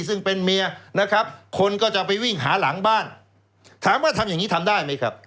ซึ่งเป็นเมียนะครับคนก็จะไปวิ่งหาหลังบ้านถามว่าทำอย่างนี้ทำได้ไหมครับ